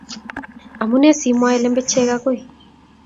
Amune simwoe lembechek agoi